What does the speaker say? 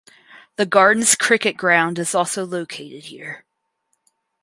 The Gardens Cricket Ground is also located here.